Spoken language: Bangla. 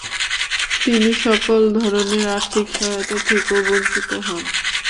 তিনি সকল ধরনের আর্থিক সহায়তা থেকেও বঞ্চিত হন।